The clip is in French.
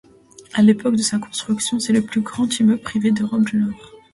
À l'époque de sa construction, c'est le plus grand immeuble privé d'Europe du Nord.